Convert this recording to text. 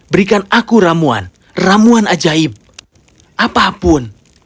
berikan aku ramuan ramuan ajaib apapun